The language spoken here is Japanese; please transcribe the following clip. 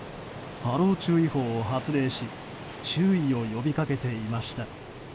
波浪注意報を発令し注意を呼び掛けていました。